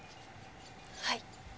はい。